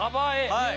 はい。